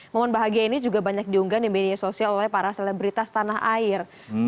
momen bahagia ini juga banyak diunggah di media sosial oleh para selebritas tanah air